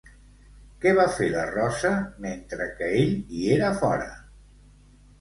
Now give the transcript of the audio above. Què va fer la Rosa mentre que ell hi era fora?